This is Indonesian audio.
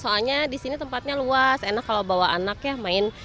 soalnya di sini tempatnya luas enak kalau bawa anak ya main